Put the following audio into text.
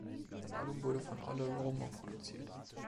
Das Album wurde von Olle Romo produziert.